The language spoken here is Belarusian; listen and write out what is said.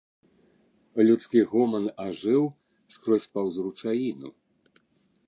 Людскі гоман ажыў скрозь паўз ручаіну.